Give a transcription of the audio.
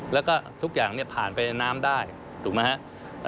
แล้วก็ทุกอย่างผ่านไปในน้ำได้ถูกไหมครับ